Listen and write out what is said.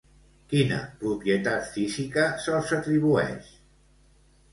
Quina propietat física se'ls atribueix?